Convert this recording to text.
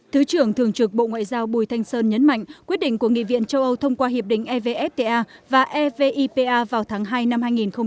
thứ trưởng thường trực bộ ngoại giao bùi thanh sơn nhấn mạnh quyết định của nghị viện châu âu thông qua hiệp định evfta và evipa vào tháng hai năm hai nghìn hai mươi